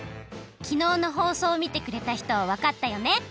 きのうのほうそうをみてくれたひとはわかったよね。